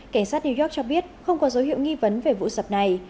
cảnh sát new york cho biết không có dấu hiệu nghi vấn về vụ sập này